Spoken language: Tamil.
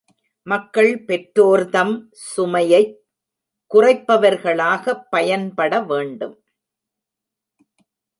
மக்கள் பெற்றோர்த்ம் சுமையைக் குறைப்பவர்களாகப் பயன்பட வேண்டும்.